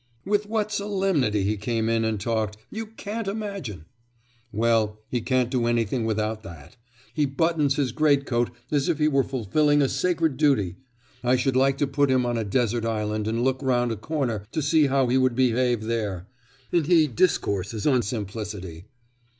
'With what solemnity he came in and talked, you can't imagine!' 'Well, he can't do anything without that. He buttons his great coat as if he were fulfilling a sacred duty. I should like to put him on a desert island and look round a corner to see how he would behave there. And he discourses on simplicity!